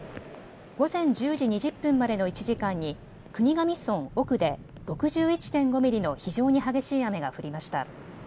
午前１０時２０分までの１時間に国頭村奥で６１．５ミリの非常に激しい雨が降りました。